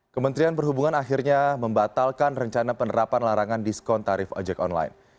kementerian perhubungan akhirnya membatalkan rencana penerapan larangan diskon tarif ojek online